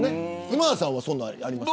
今田さんはそんなんあります。